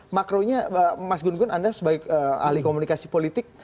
makronya mas gun gun anda sebagai ahli komunikasi politik